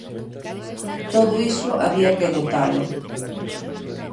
Todo iso había que dotalo.